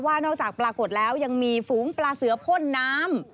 นอกจากปรากฏแล้วยังมีฝูงปลาเสือพ่นน้ำ